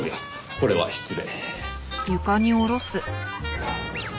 これは失礼。